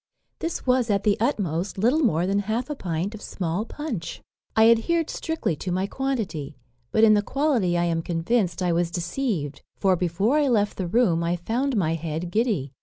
This was, at the utmost, little more than half a pint of small punch. "I adhered strictly to my quantity; but in the quality I am convinced I was deceived; for before I left the room I found my head giddy.